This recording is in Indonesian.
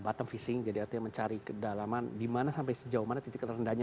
bottom fishing jadi artinya mencari kedalaman di mana sampai sejauh mana titik terendahnya